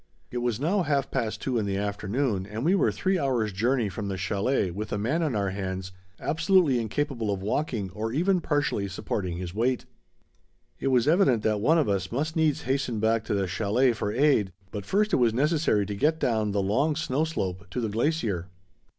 It was now half past two in the afternoon and we were three hours' journey from the chalet with a man on our hands absolutely incapable of walking or even partially supporting his weight. It was evident that one of us must needs hasten back to the chalet for aid, but first it was necessary to get down the long snow slope to the glacier.